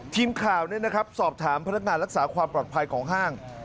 ทีมข่าวสอบถามพนักงานรักษาความปลอดภัยของห้าง